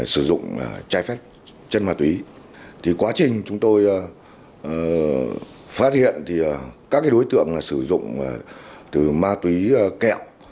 sử dụng trái phép chất ma túy quá trình chúng tôi phát hiện các đối tượng sử dụng từ ma túy kẹo